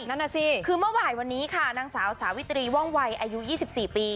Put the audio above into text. นั่นน่ะสิคือเมื่อบ่ายวันนี้ค่ะนางสาวสาวิตรีว่องวัยอายุ๒๔ปี